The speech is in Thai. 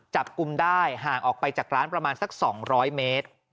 จับกลุ่มได้ห่างออกไปจากร้านประมาณสัก๒๐๐เมตร